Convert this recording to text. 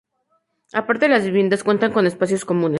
Aparte de las viviendas, cuentan con espacios comunes.